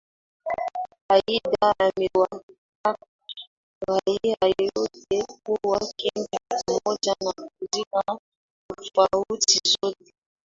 Aidha amewataka raia wote kuwa kitu kimoja na kuzika tofauti zote